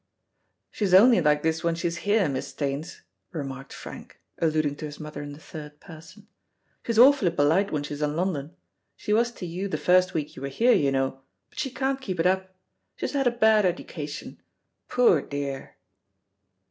"She's only like this when she's here, Miss Staines," remarked Frank, alluding to his mother in the third person. "She's awfully polite when she's in London; she was to you the first week you were here, you know, but she can't keep it up. She's had a bad education. Poor dear!"